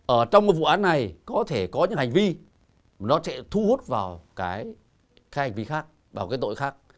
ở trong cái vụ án này có thể có những hành vi nó sẽ thu hút vào cái hành vi khác vào cái tội khác